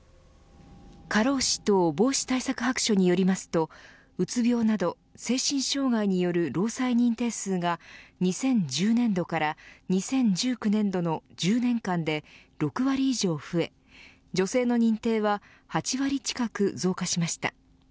過労死等防止対策白書によりますとうつ病など精神障害による労災認定数が２０１０年度から２０１９年度の１０年間で６割以上増え女性の認定は８割近く増加しました。